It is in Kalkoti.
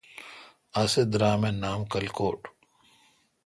اسے درام اے° نام کلکوٹ۔